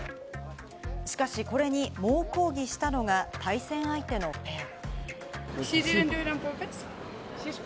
しかし、これに猛抗議したのが、対戦相手のペア。